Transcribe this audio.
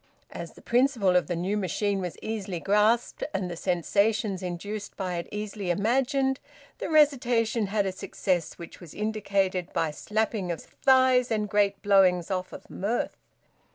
As the principle of the new machine was easily grasped, and the sensations induced by it easily imagined, the recitation had a success which was indicated by slappings of thighs and great blowings off of mirth.